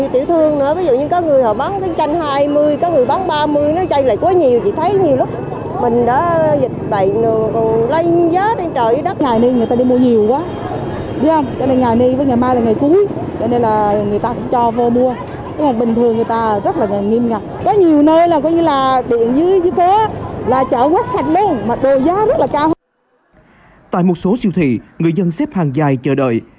tại một số siêu thị người dân xếp hàng dài chờ đợi